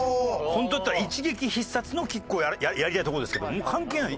本当だったら一撃必殺のキックをやりたいとこですけどもう関係ない。